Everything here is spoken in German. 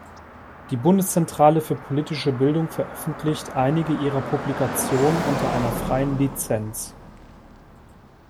Die Bundeszentrale für politische Bildung veröffentlicht einige ihrer Publikationen unter einer freien Lizenz.